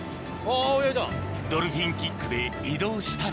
ドルフィンキックで移動したり